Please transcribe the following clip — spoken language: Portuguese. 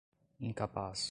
incapaz